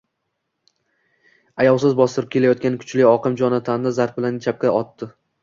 Ayovsiz bostirib kelayotgan kuchli oqim Jonatanni zarb bilan chapga otdi